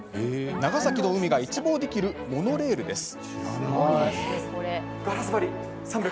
長崎の海が一望できるモノレールです。